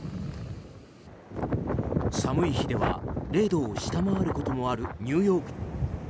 寒い日では０度を下回ることもあるニューヨーク。